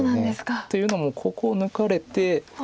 というのもここ抜かれて。